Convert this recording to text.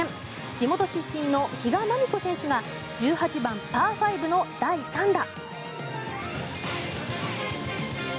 地元出身の比嘉真美子選手が１８番、パー５の第３打。